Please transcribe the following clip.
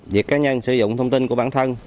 việc cá nhân sử dụng thông tin của bản thân